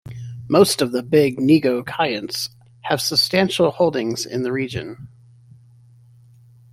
Most of the big negociants have substantial holdings in the region.